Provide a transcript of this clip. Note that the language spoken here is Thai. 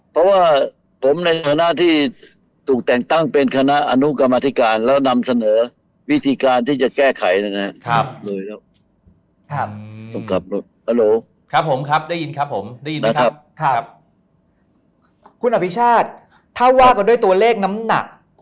เพราะว่าผมในฐานะที่ตรงแต่งตั้งเป็นคณะอนุกรรมาธิการแล้วนำเสนอวิธีการที่จะแก้ไขนั่นแหละครับ